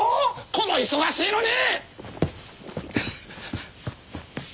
この忙しいのに！